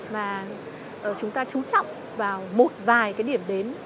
mà chúng ta chú trọng vào một vài cái điểm đến